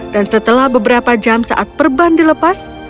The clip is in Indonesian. dan setelah beberapa jam saat perban dilepas